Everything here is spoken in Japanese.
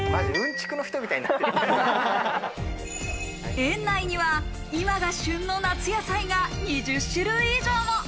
園内には今が旬の夏野菜が２０種類以上も。